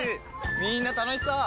みんな楽しそう！